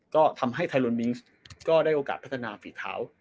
ก็ทำให้ไทลอนวิงฟ์หนก้อได้โอกาสพรรษฐนาฝีเท้า